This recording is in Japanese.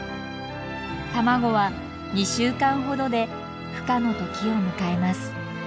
卵は２週間ほどでふ化の時を迎えます。